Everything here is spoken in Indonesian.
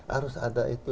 harus ada itu